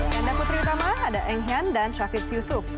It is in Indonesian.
dan di putri utama ada eng hian dan syafidz yusuf